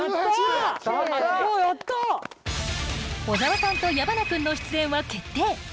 小沢さんと矢花君の出演は決定。